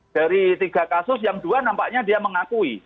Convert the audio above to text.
dari tiga kasus yang dua nampaknya dia mengakui